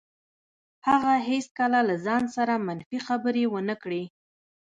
هغه هېڅکله له ځان سره منفي خبرې ونه کړې.